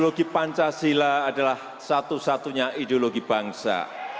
ideologi pancasila adalah satu satunya ideologi bangsa